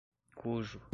cujo